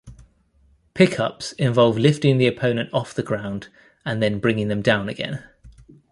Pickups involve lifting the opponent off the ground and then bringing them down again.